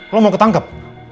lo mau ketangkep